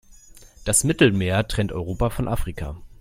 Das Mittelmeer trennt Europa von Afrika.